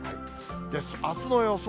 あすの予想